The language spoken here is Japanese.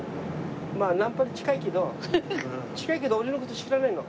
まあナンパに近いけど近いけど俺の事知らないの。